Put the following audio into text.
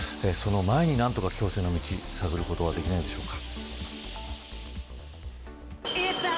その前に何とか共生の道を探ることはできないでしょうか。